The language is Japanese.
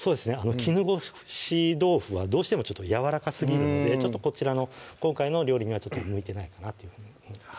絹ごし豆腐はどうしてもやわらかすぎるのでこちらの今回の料理には向いてないかなというふうに思います